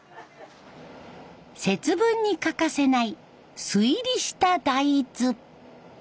節分に欠かせない素煎りした大豆。